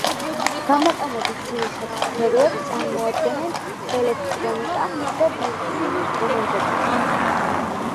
გამოყენების ძირითად სფეროებს წარმოადგენენ ელექტრონიკა და ბირთვული ენერგეტიკა.